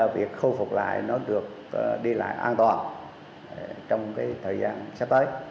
việc khôi phục lại nó được đi lại an toàn trong thời gian sắp tới